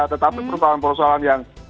tetapi persoalan persoalan yang